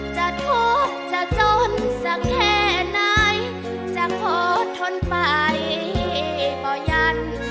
จะทุกข์จะจนสักแค่ไหนจะขอทนไปบ่ยัน